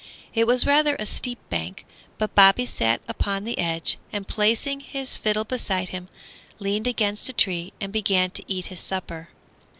It was rather a steep bank, but Bobby sat upon the edge, and placing his fiddle beside him, leaned against a tree and began to eat his supper.